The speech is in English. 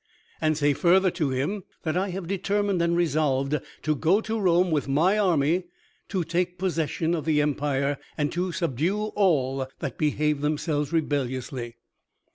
And say further to him, that I have determined and resolved to go to Rome with my army, to take possession of the empire and to subdue all that behave themselves rebelliously.